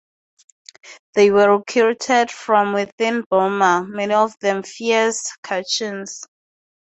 They were recruited from within Burma, many of them "fierce Kachins".